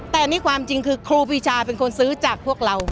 แต่นี่ความจริงคือครูปีชาเป็นคนซื้อจากพวกเรา